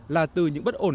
là từ những bất ổn